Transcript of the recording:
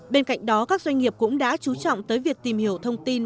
bên cạnh đó các doanh nghiệp cũng đã chú trọng tới việc tìm hiểu thông tin